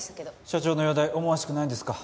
社長の容体思わしくないんですか？